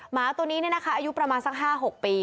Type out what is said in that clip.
หมาตัวนี้เนี่ยนะคะอายุประมาณสัก๕๖ปี